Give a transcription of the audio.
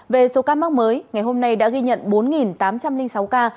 về số ca mắc mới ngày hôm nay đã ghi nhận bốn tám trăm linh sáu ca